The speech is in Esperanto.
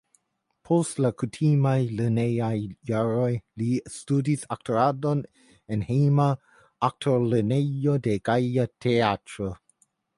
Post la kutimaj lernejaj jaroj li studis aktoradon en hejma aktorlernejo de Gaja Teatro.